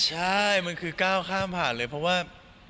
ใช่มันคือก้าวข้ามผ่านเลยเพราะว่า